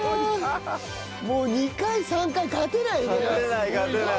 もう２回３回勝てないね。